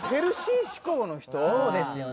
そうですよね。